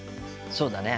そうだね。